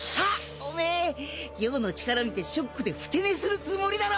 オメエ葉の力見てショックでふて寝するつもりだろ！